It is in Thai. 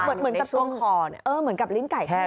เหมือนกับช่วงคอเหมือนกับริ้งไก่ข้าว